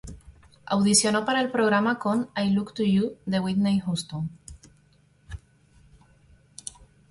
Audicionó para el programa con "I Look to You" de Whitney Houston.